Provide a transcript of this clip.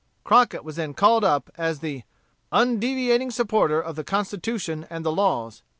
Crockett was then called up, as the "undeviating supporter of the Constitution and the laws."